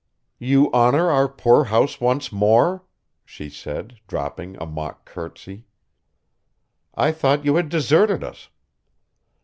"You honor our poor house once more?" she said, dropping a mock courtesy. "I thought you had deserted us."